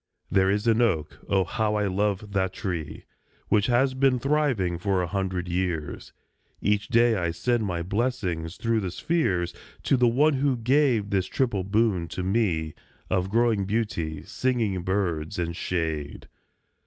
There is an oak (oh! how I love that tree) Which has been thriving for a hundred years; Each day I send my blessing through the spheres To one who gave this triple boon to me, Of growing beauty, singing birds, and shade.